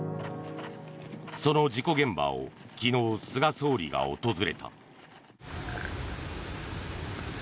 その事故現場を昨日、菅総理が訪れた。